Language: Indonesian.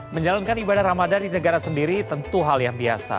menjalankan ibadah ramadan di negara sendiri tentu hal yang biasa